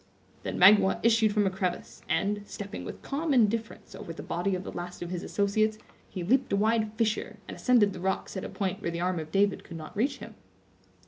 Then Magua issued from a crevice, and, stepping with calm indifference over the body of the last of his associates, he leaped a wide fissure, and ascended the rocks at a point where the arm of David could not reach him.